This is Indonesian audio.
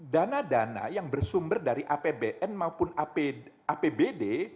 dana dana yang bersumber dari apbn maupun apbd